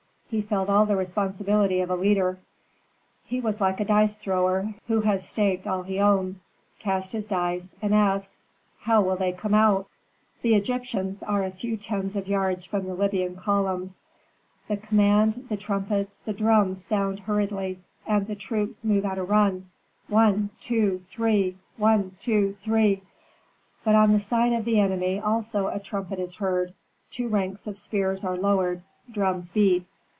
He felt all the responsibility of a leader. He was like a dice thrower who has staked all he owns, cast his dice, and asks, "How will they come out?" The Egyptians are a few tens of yards from the Libyan columns. The command, the trumpets, the drums sound hurriedly, and the troops move at a run: one two three! one two three! But on the side of the enemy also a trumpet is heard, two ranks of spears are lowered, drums beat.